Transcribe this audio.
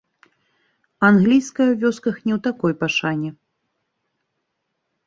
Англійская ў вёсках не ў такой пашане.